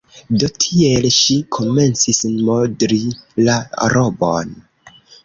Do, tiel ŝi komencis modli la robon.